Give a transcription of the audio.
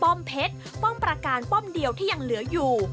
เพชรป้อมประการป้อมเดียวที่ยังเหลืออยู่